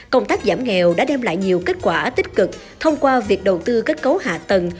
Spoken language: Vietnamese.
công tác giảm nghèo đã đem lại nhiều kết quả tích cực thông qua việc đầu tư kết cấu hạ tầng